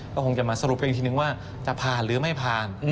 ก็คงจะมาสรุปกันอีกทีนึงว่าจะผ่านหรือไม่ผ่าน